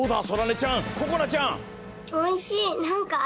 そらねちゃんここなちゃん。